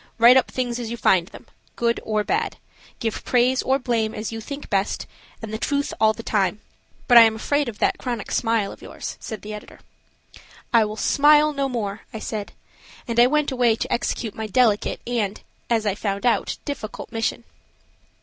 Write up things as you find them, good or bad; give praise or blame as you think best, and the truth all the time. But I am afraid of that chronic smile of yours," said the editor. "I will smile no more," I said, and I went away to execute my delicate and, as I found out, difficult mission.